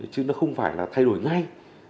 chứ nó không phải là thay đổi ngay